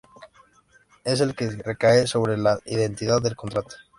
Es el que recae sobre la identidad del contrato.